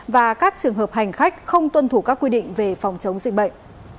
và các trường hợp hành khách không tuân thủ các quy định về phòng chống dịch bệnh